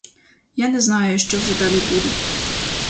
Я не знаю, що вже далі буде.